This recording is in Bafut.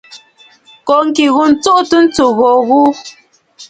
Kó ŋkì ghû ǹtsuʼutə ntsù gho gho.